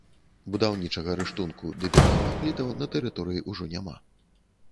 Будаўнічага рыштунку ды бетонных плітаў на тэрыторыі ўжо няма.